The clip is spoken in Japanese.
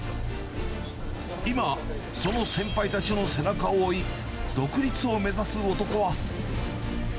今、その先輩たちの背中を追い、独立を目指す男は。